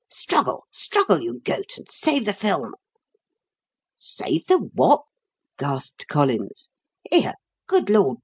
Struggle struggle, you goat, and save the film!" "Save the what?" gasped Collins. "Here! Good Lord!